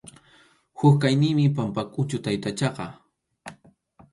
Huk kaqninmi Pampakʼuchu taytachaqa.